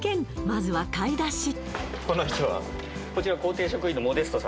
まずは買い出し